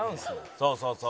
「そうそうそう。